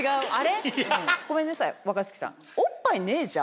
ごめんなさい若槻さん。